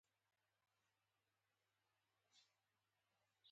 خو که مقابل کس مو تاسې سره ورته تجربه ونه لري.